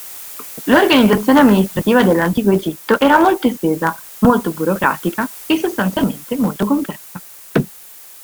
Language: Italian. L'organizzazione amministrativa dell'antico Egitto era molto estesa, molto burocratica e sostanzialmente molto complessa.